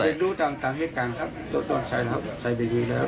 เบียกมือตามเหตุการณ์ครับใส่เบียกมือแล้ว